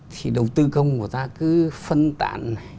thì đầu tư công của ta cứ phân tản